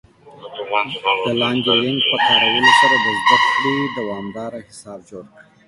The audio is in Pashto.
د لاندې لینک په کارولو سره د زده کړې دوامدار حساب جوړ کړئ